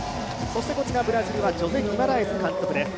そしてこちらブラジルはジョゼ・ギマラエス監督です。